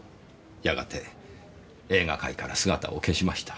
やがて映画界から姿を消しました。